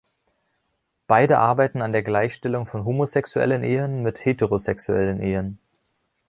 Beide arbeiten an der Gleichstellung von homosexuellen Ehen mit heterosexuellen Ehen.